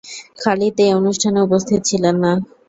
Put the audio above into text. খালিদ এ অনুষ্ঠানে উপস্থিত ছিলেন না।